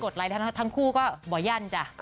ใช่ค่ะ